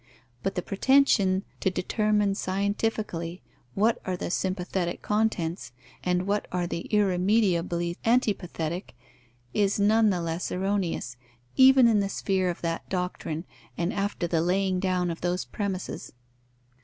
But the pretension to determine scientifically what are the sympathetic contents, and what are the irremediably antipathetic, is none the less erroneous, even in the sphere of that doctrine and after the laying down of those premises.